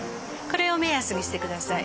これを目安にしてください。